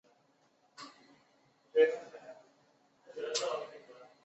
阿尔让河畔罗科布吕讷。